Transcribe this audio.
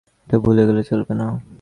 এটা ভুলে গেলে চলবে না।